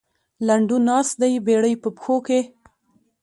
لنډو ناست دی بېړۍ په پښو کې.